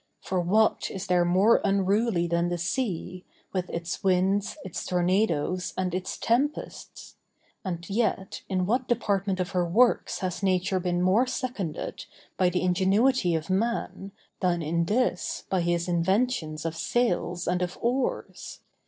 For what is there more unruly than the sea, with its winds, its tornadoes, and its tempests? And yet in what department of her works has Nature been more seconded by the ingenuity of man, than in this, by his inventions of sails and of oars?